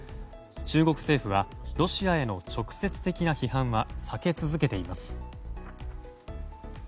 中国政府はロシアへの直接的な批判は避け続けています。